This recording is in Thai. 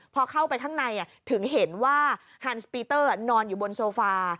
พอเข้าไปข้างในถึงเห็นว่าฮันสปีเตอร์นอนอยู่บนโซฟา